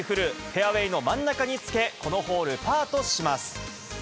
フェアウエーの真ん中につけ、このホール、パーとします。